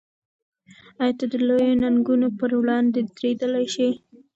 آیا ته د لویو ننګونو پر وړاندې درېدلی شې؟